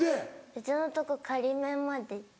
別のとこ仮免までいって。